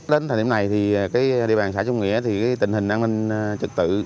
đến thời điểm này địa bàn xã trung nghĩa tình hình an ninh trực tự